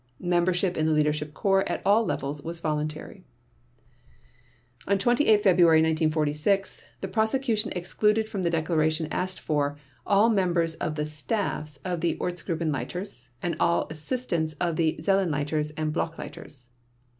Membership in the Leadership Corps at all levels was voluntary. On 28 February 1946 the Prosecution excluded from the declaration asked for, all members of the staffs of the Ortsgruppenleiters and all assistants of the Zellenleiters and Blockleiters.